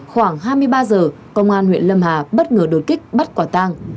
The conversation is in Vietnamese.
khoảng hai mươi ba giờ công an huyện lâm hà bất ngờ đột kích bắt quả tang